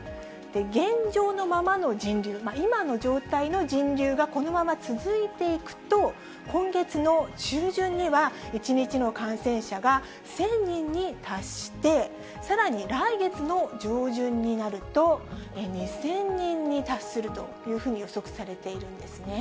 現状のままの人流、今の状態の人流がこのまま続いていくと、今月の中旬には、１日の感染者が１０００人に達して、さらに来月の上旬になると、２０００人に達するというふうに予測されているんですね。